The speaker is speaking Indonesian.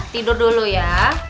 tidur dulu ya